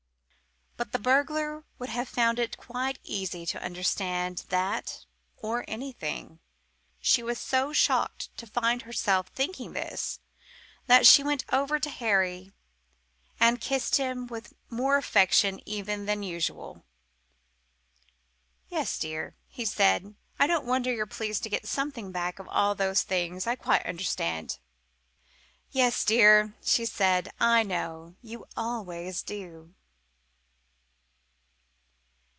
But the burglar would have found it quite easy to understand that or anything. She was so shocked to find herself thinking this that she went over to Harry and kissed him with more affection even than usual. "Yes, dear," he said, "I don't wonder you're pleased to get something back out of all those things. I quite understand." "Yes, dear," said she. "I know. You always do!"